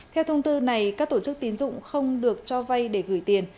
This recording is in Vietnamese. theo thông tư này các tổ chức tín dụng không được cho vay để gửi tiền